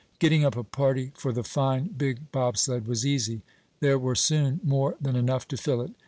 Getting up a party for the fine, big bobsled was easy. There were soon more than enough to fill it.